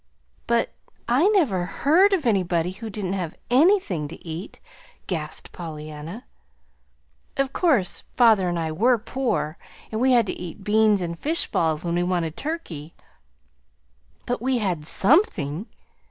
"But I never HEARD of anybody who didn't have ANYTHING to eat," gasped Pollyanna. "Of course father and I were poor, and we had to eat beans and fish balls when we wanted turkey. But we had SOMETHING.